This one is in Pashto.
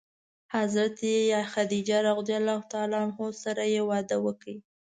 حضرت خدیجه رض سره یې واده وکړ.